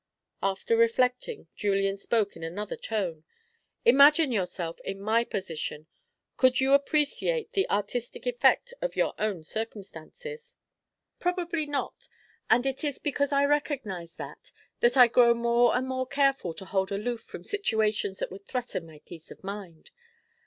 After reflecting, Julian spoke in another tone. "Imagine yourself in my position. Could you appreciate the artistic effect of your own circumstances?" "Probably not. And it is because I recognise that, that I grow more and more careful to hold aloof from situations that would threaten my peace of mind.